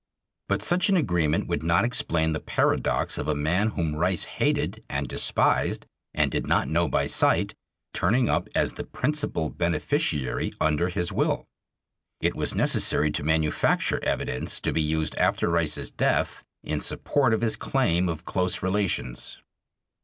But such an agreement would not explain the paradox of a man whom Rice hated and despised and did not know by sight turning up as the principal beneficiary under his will. It was necessary to manufacture evidence to be used after Rice's death in support of his claim of close relations.